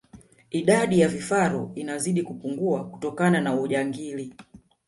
idadi ya vifaru inazidi kupungua kutokana na ujangili